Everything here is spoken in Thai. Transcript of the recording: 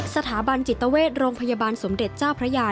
สถาบันจิตเวชโรงพยาบาลสมเด็จเจ้าพระยา